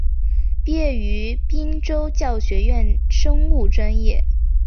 毕业于滨州教育学院生物专业。